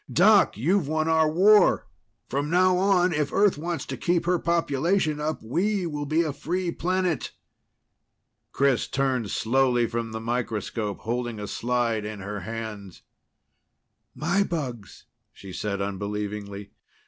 Doc, you've won our war! From now on, if Earth wants to keep her population up, we'll be a free planet!" Chris turned slowly from the microscope, holding a slide in her hands. "My bugs," she said unbelievingly.